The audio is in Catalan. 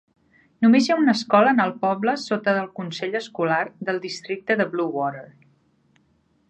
Només hi ha una escola en el poble sota el Consell escolar del districte de Bluewater.